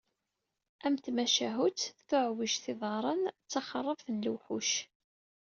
Am tmacahut “Tuɛwijt n yiḍarren, taxerrabt n lewḥuc”.